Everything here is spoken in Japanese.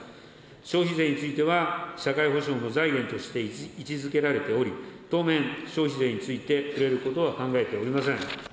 消費税については、社会保障の財源として位置づけられており、当面、消費税について触れることは考えておりません。